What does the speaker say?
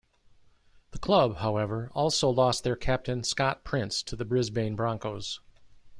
The club, however, also lost their captain Scott Prince to the Brisbane Broncos.